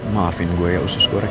maafin gue ya susu goreng